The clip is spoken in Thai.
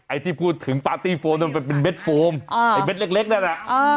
ที่พูดถึงปาร์ตี้โฟมนั้นมันเป็นเด็ดโฟมไอ้เด็ดเล็กนั่นน่ะ